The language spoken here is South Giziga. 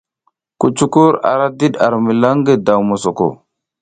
Kucukur ara diɗ ar milan ngi daw mosoko.